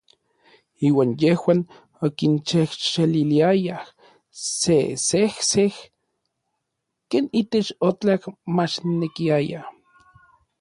Iuan yejuan okinxejxeliliayaj sesejsej ken itech otla machnekiaya.